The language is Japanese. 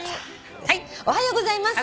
「おはようございます。